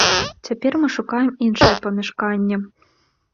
Цяпер мы шукаем іншае памяшканне.